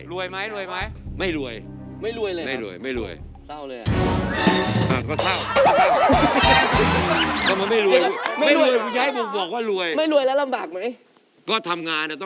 รวยไหม